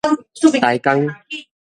臺江